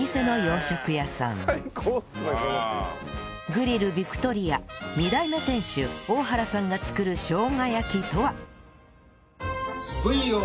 グリルビクトリヤ２代目店主大原さんが作るしょうが焼きとは